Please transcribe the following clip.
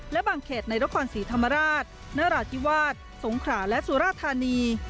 และบางเขตในนครศรีธรรมราชนราธิวาสสงขราและสุราธานี